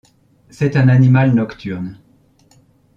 C'est un animal nocturne.